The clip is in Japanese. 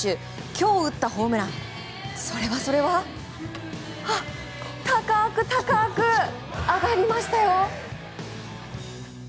今日、打ったホームランそれはそれは高く高く上がりましたよ！